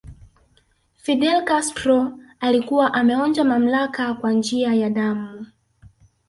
Fidel Castro alikuwa ameonja mamlaka kwa njia ya damu